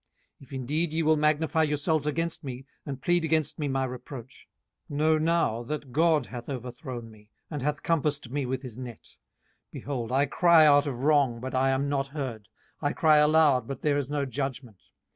18:019:005 If indeed ye will magnify yourselves against me, and plead against me my reproach: 18:019:006 Know now that God hath overthrown me, and hath compassed me with his net. 18:019:007 Behold, I cry out of wrong, but I am not heard: I cry aloud, but there is no judgment.